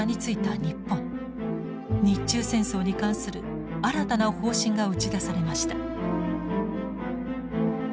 日中戦争に関する新たな方針が打ち出されました。